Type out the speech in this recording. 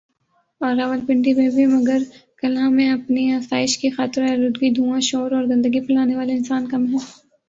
اور راولپنڈی میں بھی مگر کلاں میں اپنی آسائش کی خاطر آلودگی دھواں شور اور گندگی پھیلانے والے انسان کم ہیں